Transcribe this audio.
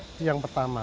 itu yang pertama